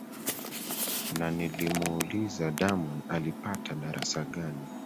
na nilimuuliza damon alipata darasa gani